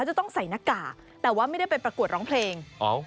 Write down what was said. จะต้องใส่หน้ากากแต่ว่าไม่ได้ไปประกวดร้องเพลง